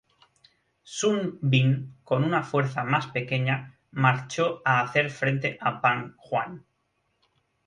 Sun Bin con una fuerza más pequeña marchó a hacer frente a Pang Juan.